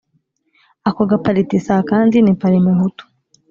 ako gapariti si akandi ni parmehutu ..